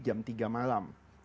apalagi jam tiga malam